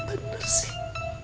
tak bener sih